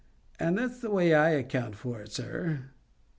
And that's the way I account for it, sir."